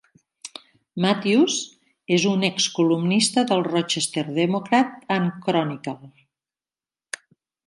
Matthews és un ex columnista del "Rochester Democrat and Chronicle".